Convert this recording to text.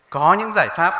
có những giải pháp